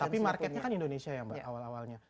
tapi marketnya kan indonesia ya mbak awal awalnya